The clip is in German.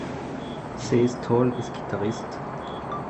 Cees Tol ist Gitarrist.